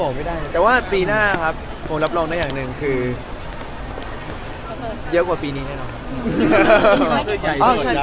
ปรุงใหม่แล้วครับทำงานอย่างเดียวเลยครับ